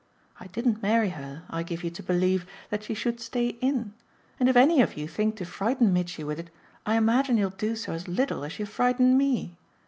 I didn't marry her, I give you to believe, that she should stay 'in,' and if any of you think to frighten Mitchy with it I imagine you'll do so as little as you frighten ME.